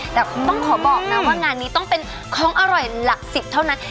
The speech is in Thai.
แต่ต้องขอบอกนะว่างานนี้ต้องเป็นของอร่อยหลักสิบเท่านั้น